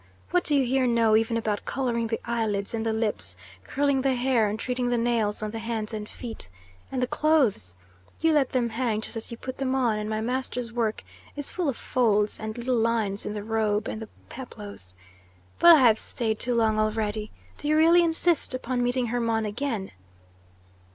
What do you here know even about colouring the eyelids and the lips, curling the hair, and treating the nails on the hands and feet? And the clothes! You let them hang just as you put them on, and my master's work is full of folds and little lines in the robe and the peplos But I have staid too long already. Do you really insist upon meeting Hermon again?